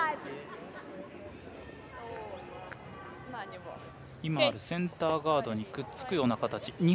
今あるセンターガードにくっつくような形。